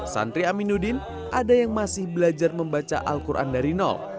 santri aminuddin ada yang masih belajar membaca al quran dari nol